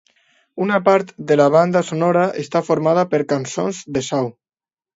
Una part de la banda sonora està formada per cançons de Sau.